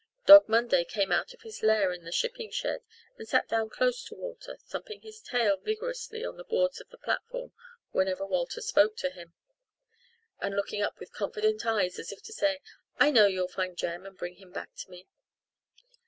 Dog Monday came out of his lair in the shipping shed and sat down close to Walter, thumping his tail vigorously on the boards of the platform whenever Walter spoke to him, and looking up with confident eyes, as if to say, "I know you'll find Jem and bring him back to me."